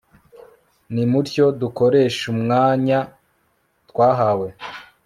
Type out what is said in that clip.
nimutyo dukoreshumwanya twahawe